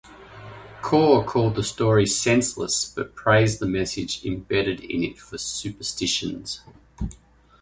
Kaur called the story "senseless" but praised the message embedded in it for superstitions.